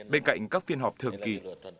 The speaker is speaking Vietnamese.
bên cạnh các phiên họp thường kỳ